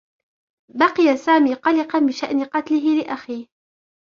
بقي سامي قلقا بشأن قتله لأخيه.